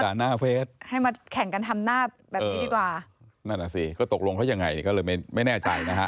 นั่นแหละสิก็ตกลงเพราะยังไงก็เลยไม่แน่ใจนะครับ